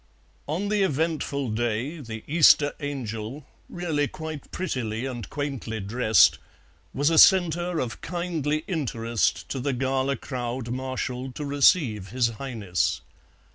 On the eventful day the Easter angel, really quite prettily and quaintly dressed, was a centre of kindly interest to the gala crowd marshalled to receive his Highness.